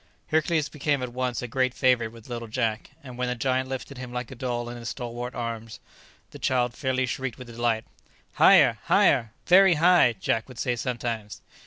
Hercules became at once a great favourite with little Jack; and when the giant lifted him like a doll in his stalwart arms, the child fairly shrieked with delight. "Higher! higher! very high!" Jack would say sometimes.